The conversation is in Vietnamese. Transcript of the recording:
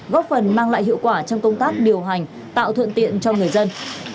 góp phần mang lại hiệu quả trong công tác điều hành tạo thuận tiện cho người dân